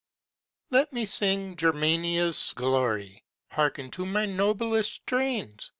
Let me sing Germania's glory! Hearken to my noblest strains!